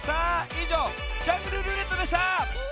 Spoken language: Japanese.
いじょう「ジャングルるーれっと」でした！